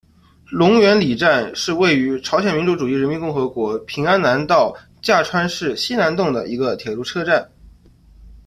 龙源里站是位于朝鲜民主主义人民共和国平安南道价川市西南洞的一个铁路车站。